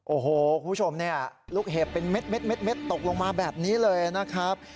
โอ้โหคุณผู้ชมเนี่ยลูกเห็บเป็นเม็ดตกลงมาแบบนี้เลยนะครับ